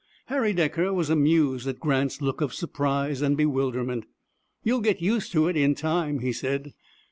Harry Decker was amused at Grant's look of surprise and bewilderment. "You'll get used to it in time," he said.